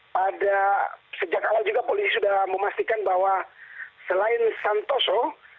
pada sejak awal juga polisi sudah memastikan bahwa selain santoso